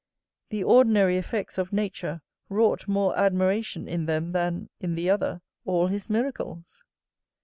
The ordinary effects of nature wrought more admiration in them than, in the other, all his miracles.